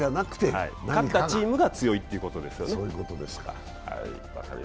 勝ったチームが強いっていうことですよね。